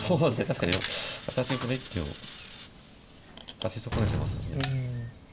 ８八玉の一手を指し損ねてますもんね。